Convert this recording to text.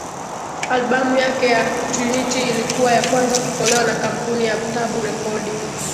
Albamu yake ya Trinity ilikuwa ya kwanza kutolewa na kampuni ya Tabu rekodi